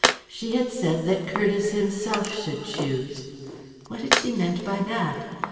She had said that Curtiss himself should choose! What had she meant by that?